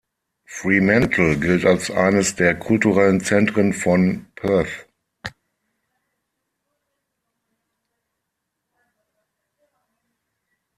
Fremantle gilt als eines der kulturellen Zentren von Perth.